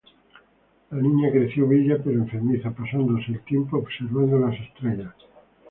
La niña creció bella pero enfermiza pasándose el tiempo observando las estrellas.